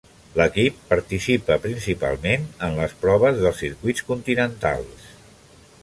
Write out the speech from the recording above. L'equip participa principalment en les proves dels circuits continentals.